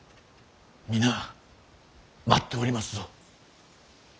皆待っておりますぞ。